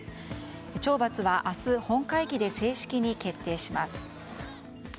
懲罰は明日、本会議で正式に決定します。